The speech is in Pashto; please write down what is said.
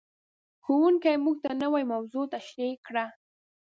ښوونکی موږ ته نوې موضوع تشریح کړه.